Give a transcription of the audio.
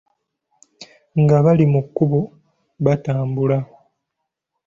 Nga bali mu kkubo batambula.